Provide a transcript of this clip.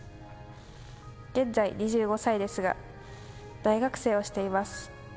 現在２５歳ですが、大学生をしています。